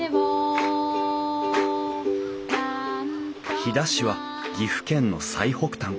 飛騨市は岐阜県の最北端。